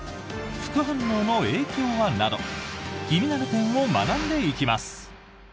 副反応の影響は？など気になる点を学んでいきます。